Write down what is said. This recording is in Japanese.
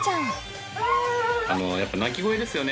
やっぱ鳴き声ですよね